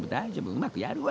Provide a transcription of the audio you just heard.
うまくやるわ。